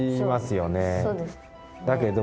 だけど。